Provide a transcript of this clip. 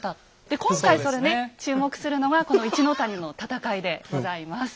で今回それね注目するのはこの一の谷の戦いでございます。